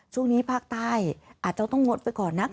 ช่วงนี้ภาคใต้อาจจะต้องงดไปก่อนนะ